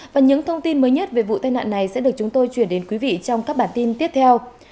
và những thông tin mới nhất về vụ tai nạn này sẽ được chúng tôi chuyển đến quý vị trong các bản tin tiếp theo